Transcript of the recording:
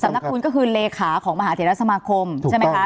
นักคุณก็คือเลขาของมหาเทรสมาคมใช่ไหมคะ